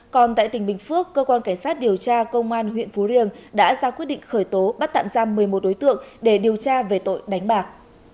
còn tại tỉnh bình phước cơ quan cảnh sát điều tra công an huyện phú riềng đã ra quyết định khởi tố bắt tạm giam một mươi một đối tượng để điều tra về tội đánh bạc